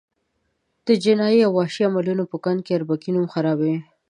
د جنایي او وحشي عملونو په ګند کې اربکي نوم خرابوي.